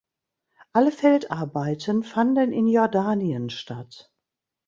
Alle Feldarbeiten fanden in Jordanien statt.